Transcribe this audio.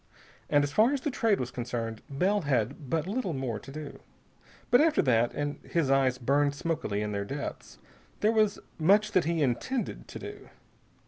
And as far as the Trade was concerned, Bell had but little more to do. But after that and his eyes burned smokily in their depths there was much that he intended to do.